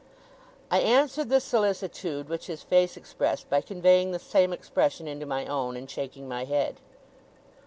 I answered the solicitude which his face expressed, by conveying the same expression into my own, and shaking my head.